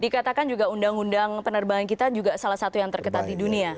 dikatakan juga undang undang penerbangan kita juga salah satu yang terketat di dunia